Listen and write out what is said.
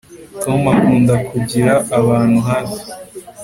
tom akunda kugira abantu hafi